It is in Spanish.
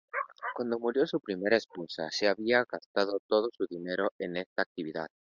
Cuando murió su primera esposa, se había gastado todo su dinero en esta actividad.